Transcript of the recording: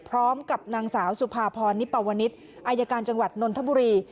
พร้อมกับนางสาวสุภาพรนิปวนิษฐ์อายการจังหวัดนนทบุรี